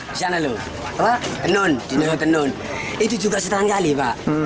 disana loh tenun dinoyo tenun itu juga stren kali pak